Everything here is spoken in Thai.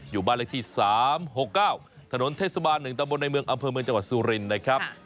อยู่บ้านเลขที่๓๖๙ถนนเทศบาล๑ตะบนในเมืองอำเภอเมืองจังหวัดสุรินนะครับ